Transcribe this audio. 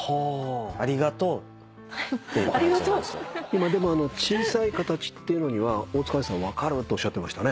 今小さい形っていうのには大塚愛さん「分かる」とおっしゃってましたね。